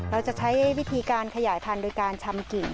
เราจะใช้วิธีการขยายพันธุ์โดยการชำกิ่ง